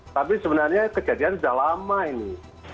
tapi sebenarnya kejadian sudah lama ini